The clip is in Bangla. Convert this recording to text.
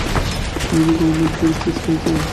তুমি কি কখনো গ্রীলড চীজ খেয়েছ?